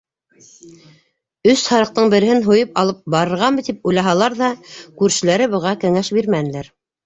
Өс һарыҡтың береһен һуйып алып барырғамы тип уйлаһалар ҙа, күршеләре быға кәңәш бирмәнеләр.